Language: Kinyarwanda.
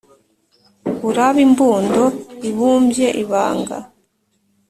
Urabe imbundo ibumbye ibanga